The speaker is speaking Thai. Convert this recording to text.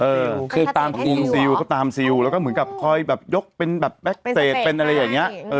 เออคือตามซิลเขาตามซิลแล้วก็เหมือนกับคอยแบบยกเป็นแบบเป็นอะไรอย่างเงี้ยเออ